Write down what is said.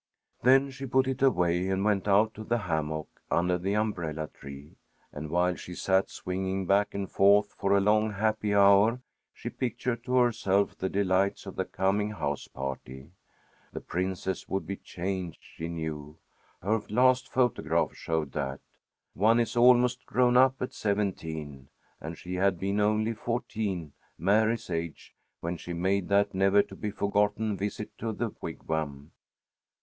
Then she put it away and went out to the hammock, under the umbrella tree, and while she sat swinging back and forth for a long happy hour, she pictured to herself the delights of the coming house party. The Princess would be changed, she knew. Her last photograph showed that. One is almost grown up at seventeen, and she had been only fourteen, Mary's age, when she made that never to be forgotten visit to the Wigwam.